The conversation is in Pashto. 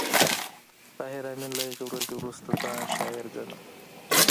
طاهر آمین له هغې ورځې وروسته ځان شاعر ګڼل